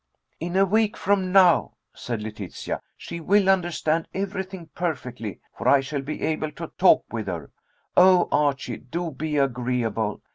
"In a week from now," said Letitia, "she will understand everything perfectly, for I shall be able to talk with her. Oh, Archie, do be agreeable.